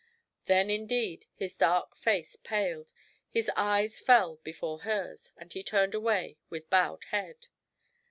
Then, indeed, his dark face paled, his eyes fell before hers, and he turned away with bowed head.